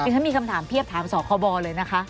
ฉันมีคำถามเพียบถามสคบเลยนะคะ